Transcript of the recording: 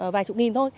vài chục nghìn thôi